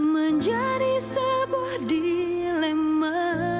menjadi sebuah dilema